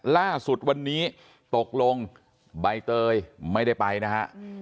ล่าสุดวันนี้ตกลงใบเตยไม่ได้ไปนะฮะ